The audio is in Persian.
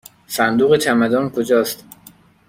صندوق چمدان کجاست؟